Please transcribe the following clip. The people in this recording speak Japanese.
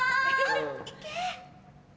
行け！